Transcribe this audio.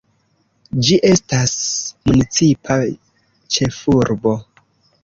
Ĝi estas municipa ĉefurbo.